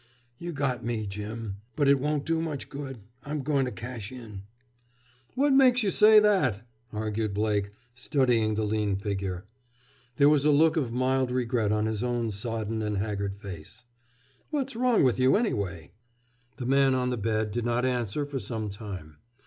"You got me, Jim. But it won't do much good. I'm going to cash in." "What makes you say that?" argued Blake, studying the lean figure. There was a look of mild regret on his own sodden and haggard face. "What's wrong with you, anyway?" The man on the bed did not answer for some time.